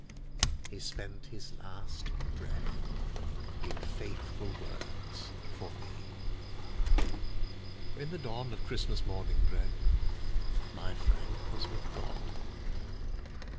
He spent his last breath in faithful words for me. When the dawn of Christmas morning broke, my Frank was with God.